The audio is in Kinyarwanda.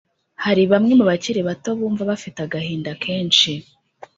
Hari bamwe mu bakiri bato bumva bafite agahinda kenshi